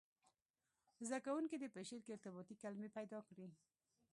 زده کوونکي دې په شعر کې ارتباطي کلمي پیدا کړي.